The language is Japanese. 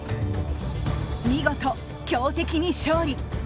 見事強敵に勝利。